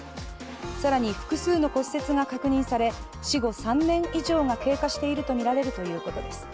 更に、複数の骨折が確認され死後３年以上が経過しているとみられるということです。